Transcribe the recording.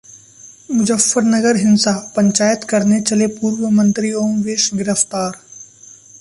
मुजफ्फरनगर हिंसा: पंचायत करने चले पूर्व मंत्री ओमवेश गिरफ्तार